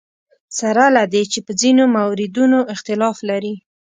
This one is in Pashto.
سره له دې چې په ځینو موردونو اختلاف لري.